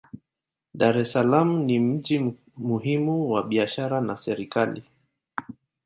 Dar es Salaam ni mji muhimu kwa biashara na serikali.